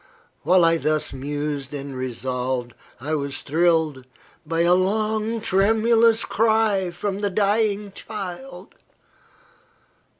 While I thus mused and resolved, I was thrilled by a long, tremulous cry from the dying child.